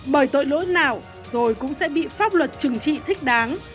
bởi tội lỗi nào rồi cũng sẽ bị pháp luật trừng trị thích đáng